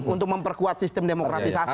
untuk memperkuat sistem demokratisasi